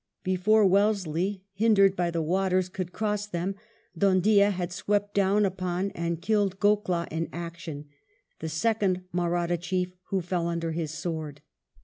Before Wellesley, hindered by the waters, could cross them, Dhoondiah had swooped down upon and killed Goklah in action, the second Mahratta chief who fell under his sword.